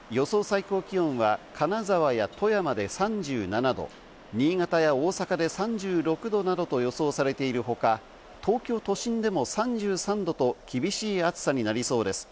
最高気温は金沢や富山で３７度、新潟や大阪で３６度などと予想されているほか、東京都心でも３３度と厳しい暑さになりそうです。